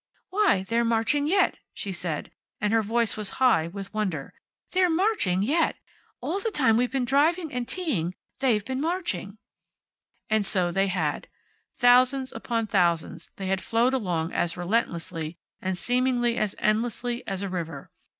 "Why they're marching yet!" she said, and her voice was high with wonder. "They're marching yet! All the time we've been driving and teaing, they've been marching." And so they had. Thousands upon thousands, they had flowed along as relentlessly, and seemingly as endlessly as a river.